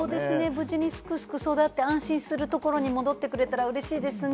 無事にすくすく育って安心するところに戻ってくれたら、うれしいですね。